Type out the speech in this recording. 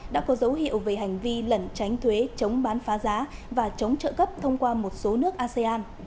đã có dấu hiệu về hành vi lẩn tránh thuế chống bán phá giá và chống trợ cấp thông qua một số nước asean